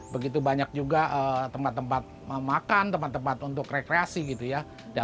begitu banyak juga tempat tempat makan tempat tempat untuk rekreasi gitu ya